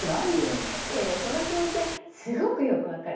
いやいやその気持ちはすごくよく分かる。